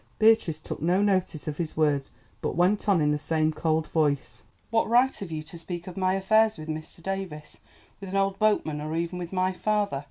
Beatrice took no notice of his words, but went on in the same cold voice. "What right have you to speak of my affairs with Mr. Davies, with an old boatman, or even with my father?